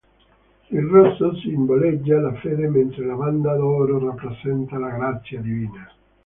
Il rosso simboleggia la fede mentre la banda d'oro rappresenta la grazia divina.